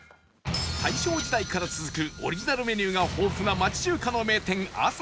大正時代から続くオリジナルメニューが豊富な町中華の名店あさひ